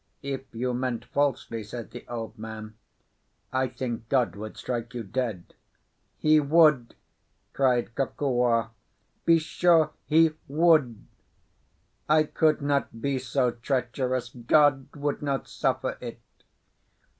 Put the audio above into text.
"If you meant falsely," said the old man, "I think God would strike you dead." "He would!" cried Kokua. "Be sure he would. I could not be so treacherous—God would not suffer it."